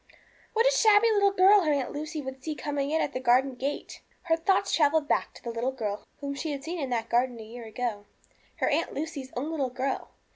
What a shabby little girl her Aunt Lucy would see coming in at the garden gate! Her thoughts travelled back to the little girl whom she had seen in that garden a year ago, her Aunt Lucy's own little girl.